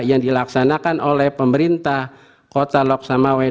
yang dilaksanakan oleh pemerintah kota lok samawet